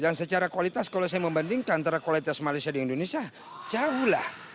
dan secara kualitas kalau saya membandingkan antara kualitas malaysia di indonesia jauh lah